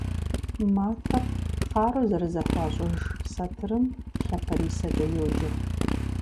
Матэр хъару зэрызэхуащӏыж сатырым лъапэрисэкӏэ йоджэ.